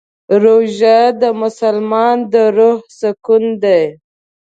روژه د مسلمان د روح سکون دی.